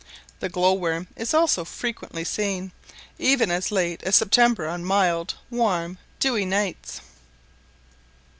The glowworm is also frequently seen, even as late as September, on mild, warm, dewy nights.